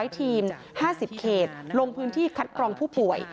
ทีม๕๐เขตลงพื้นที่คัดกรองผู้ป่วย